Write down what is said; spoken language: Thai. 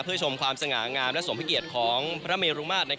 เพื่อชมความสง่างามและสมพระเกียรติของพระเมรุมาตร